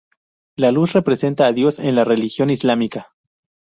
La luz representa a Dios en la religión islámica.